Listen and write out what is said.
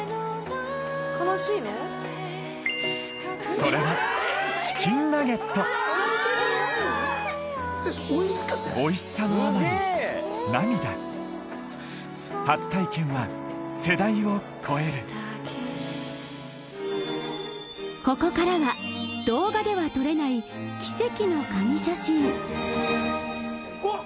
それはチキンナゲットおいしさのあまり涙初体験は世代を超えるここからは動画では撮れない奇跡の神写真おっ！